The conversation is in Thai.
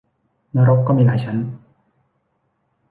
นรกก็มีหลายชั้น